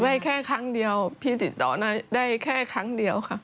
แค่ครั้งเดียวพี่ติดต่อได้แค่ครั้งเดียวค่ะ